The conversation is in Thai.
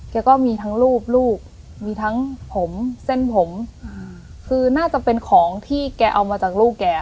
ก็มีทั้งรูปลูกมีทั้งผมเส้นผมคือน่าจะเป็นของที่แกเอามาจากลูกแก